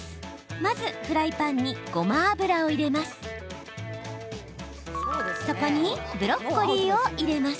まずフライパンにごま油を入れます。